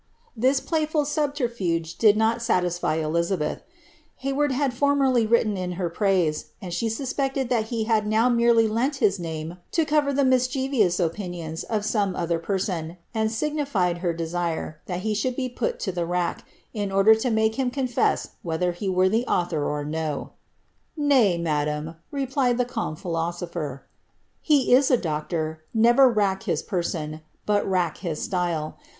* This playful subterfuge did not satisfy Elizabeth. Hayward had for merly written in her praise, and she suspected that he had now merely lent his name to cover the mischievous opinions of some other person, and signified her desire that he should be put to the rack, in order to make him confess whether he were the author or not. " Nay, madam," ref^ied the calm philosopher, " he is a doctor ; never rack his person, hot rack his style.